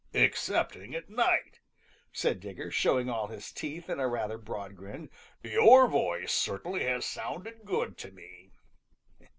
"Excepting at night," said Digger, showing all his teeth in a rather broad grin. "You're voice certainly has sounded good to me."